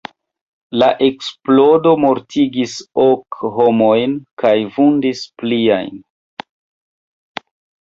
La eksplodo mortigis ok homojn kaj vundis pliajn.